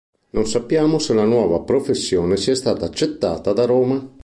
Non sappiamo se la nuova professione sia stata accettata da Roma.